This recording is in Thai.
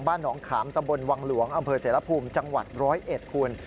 บ้านหนองขามตะบนวังหลวงอำเภอเสรภูมิจังหวัด๑๐๑คุณ